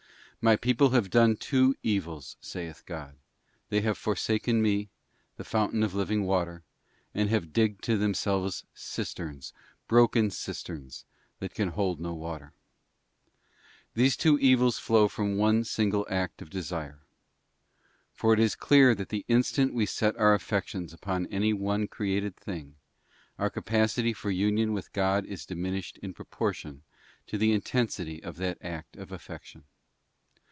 'My people have done two evils, saith God, 'They have forsaken Me, the fountain of living water, and have digged to themselves cisterns, broken cisterns, that can hold no water.' { These two evils flow from one single act of desire; for it is clear that the instant we set our affections upon any one created thing, our capacity for union with God is diminished in proportion to the in tensity of that act of affection.